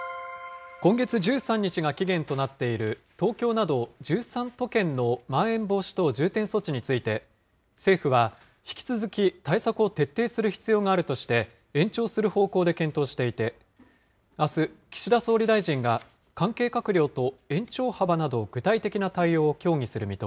今月１３日が期限となっている東京など１３都県のまん延防止等重点措置について、政府は引き続き対策を徹底する必要があるとして、延長する方向で検討していて、あす、岸田総理大臣が関係閣僚と延長幅など具体的な対応を協議する